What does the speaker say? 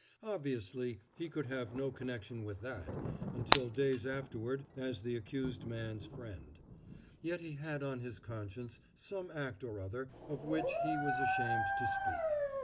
Obviously he could have had no connection with that, until days afterward as the accused man's friend. Yet he had on his conscience some act or other of which he was ashamed to speak.